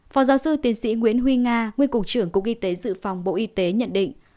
phó giáo sư tiến sĩ nguyễn huy nga nguyên cục trưởng cục y tế dự phòng bộ y tế nhận định